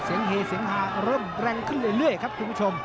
เฮเสียงหาเริ่มแรงขึ้นเรื่อยครับคุณผู้ชม